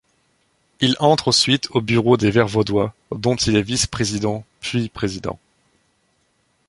Il entre ensuite au Bureau des Verts vaudois, dont il est vice-président puis président.